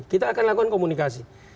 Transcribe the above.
kita akan lakukan komunikasi